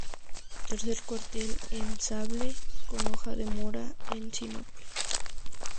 Tercer cuartel en sable con hoja de mora en sinople.